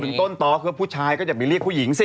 พี่มากก็พูดถึงต้นต่อคือว่าผู้ชายก็อย่าไปเรียกผู้หญิงสิ